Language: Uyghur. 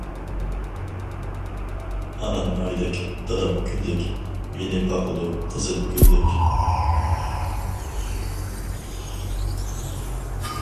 ئانام ئايدەك، دادام كۈندەك، مېنى باقىدۇ، قىزىل گۈلدەك.